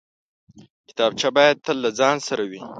کتابچه باید تل له ځان سره وي